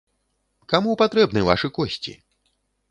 Каму патрэбны вашы косці?